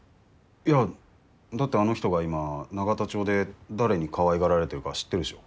いやだってあの人が今永田町で誰にかわいがられてるかは知ってるでしょ？